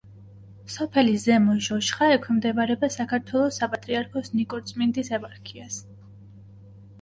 სოფელი ზემო ჟოშხა ექვემდებარება საქართველოს საპატრიარქოს ნიკორწმინდის ეპარქიას.